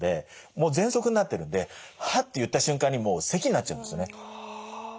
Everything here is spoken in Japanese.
もうぜんそくになってるんで「ハッ」って言った瞬間にもうせきになっちゃうんですよね。